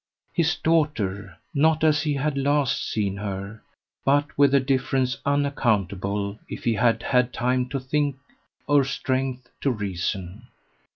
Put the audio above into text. His daughter not as he had last seen her, but with a difference unaccountable if he had had time to think or strength to reason.